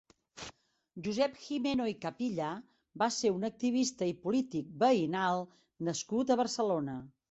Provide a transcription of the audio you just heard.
Josep Gimeno i Capilla va ser un activista i polític veïnal nascut a Barcelona.